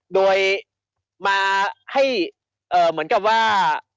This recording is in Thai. โดยมาให้เหมือนกับว่า